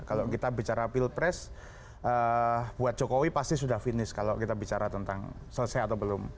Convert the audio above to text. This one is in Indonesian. kalau kita bicara pilpres buat jokowi pasti sudah finish kalau kita bicara tentang selesai atau belum